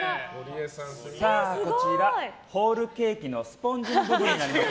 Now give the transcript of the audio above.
こちら、ホールケーキのスポンジの部分になります。